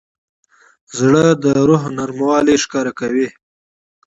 زړه د روح نرموالی ښکاره کوي.